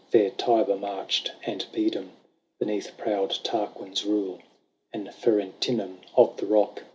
There Tibur marched and Pedum Beneath proud Tarquin's rule, And Ferentinum of the rock.